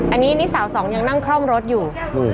อันนี้สาว๒ยังนั่งคร่องรถอยู่